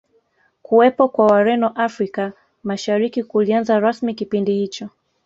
Kuwepo kwa Wareno Afrika Mashariki kulianza rasmi kipindi hicho